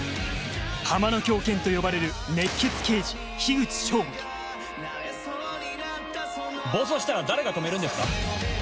「ハマの狂犬」と呼ばれる熱血刑事暴走したら誰が止めるんですか？